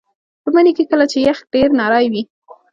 په مني کې کله چې یخ ډیر نری وي